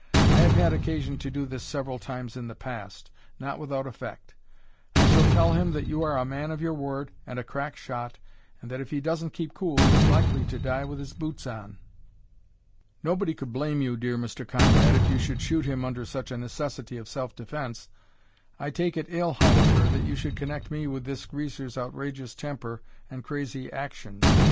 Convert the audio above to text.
I have had occasion to do this several times in the past, not without effect. I shall tell him that you are a man of your word, and a crack shot, and that if he doesn't keep cool he's likely to die with his boots on. Nobody could blame you, my dear Mr. Conrad, if you should shoot him under such a necessity of self defence. I take it ill, however, that you should connect me with this greaser's outrageous temper and crazy actions.